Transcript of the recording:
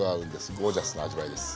ゴージャスな味わいです。